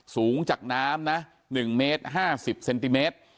สูงจากน้ำนะ๑เมตร๕๐เซนติเมตร